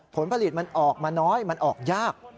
ผลผลิตมันออกมาน้อยมันออกยาก